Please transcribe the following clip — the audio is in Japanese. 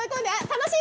楽しい！